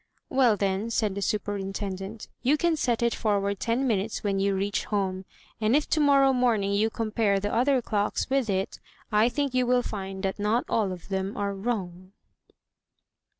"Well, then," said the superintendent, "you can set it for ward ten minutes when you reach home; and if tomorrow morn ing you compare the other clocks with it, I think you will find that not all of them are wrong."